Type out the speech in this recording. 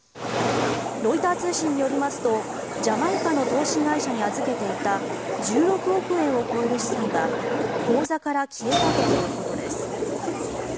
ロイター通信によりますとジャマイカの投資会社に預けていた１６億円を超える資産が口座から消えたということです。